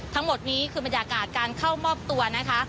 ทั้งหมดนี้คือบรรยากาศการเข้ามอบตัวนะคะ